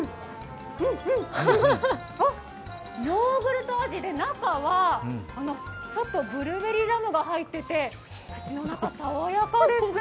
ヨーグルト味で、中はちょっとブルーベリージャムが入ってて口の中、爽やかです。